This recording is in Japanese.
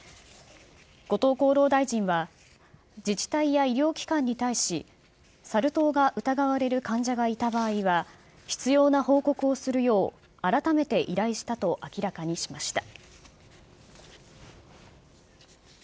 後藤厚労大臣は、自治体や医療機関に対し、サル痘が疑われる患者がいた場合は必要な報告をするよう、改めて依頼したと明らかにしました。